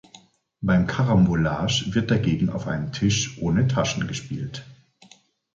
Beim Karambolage wird dagegen auf einem Tisch ohne Taschen gespielt.